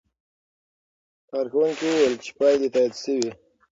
کارکوونکي وویل چې پایلې تایید شوې.